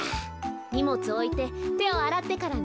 にもつおいててをあらってからね。